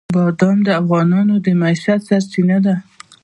بادام د افغانانو د معیشت سرچینه ده.